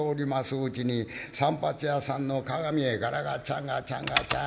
うちに散髪屋さんの鏡へガラガッチャンガッチャンガチャン。